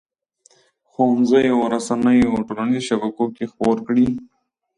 ښوونځیو، رسنیو او ټولنیزو شبکو کې خپور کړي.